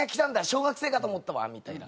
小学生かと思ったわ」みたいな。